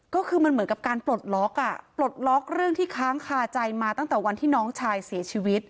ก็คือมันเหมือนกับการปลดล็อกอ่ะปลดล็อกเรื่องที่ค้างคาใจมาตั้งแต่วันที่น้องชายเสียชีวิต